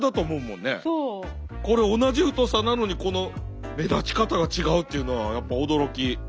これ同じ太さなのにこの目立ち方が違うっていうのはやっぱ驚き。